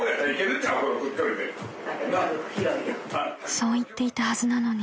［そう言っていたはずなのに］